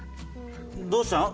どうしたの？